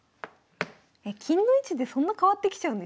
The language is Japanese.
え金の位置でそんな変わってきちゃうんですね。